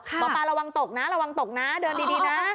หมอปลาระวังตกนะเดินดีนะ